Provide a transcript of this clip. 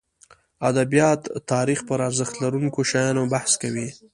ادبیات تاریخ پرارزښت لرونکو شیانو بحث کوي.